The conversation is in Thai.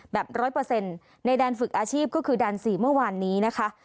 แบบร้อยเปอร์เซ็นต์ในด้านฝึกอาชีพก็คือดาลสี่เมื่อวานนี้นะคะ